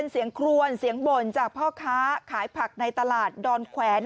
เสียงครวนเสียงบ่นจากพ่อค้าขายผักในตลาดดอนแขวน